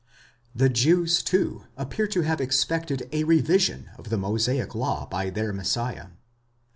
The Jews, too, appear to have expected a revision of the Mosaic law by their Messiah.